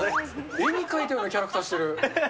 絵に描いたようなキャラクターしてる。